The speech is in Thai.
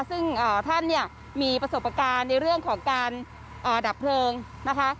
ซึ่งท่านเนี่ยมีประสบการณ์ในเรื่องของการดับเพลิงนะคะ